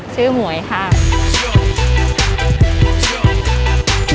ชื่อหวยครับ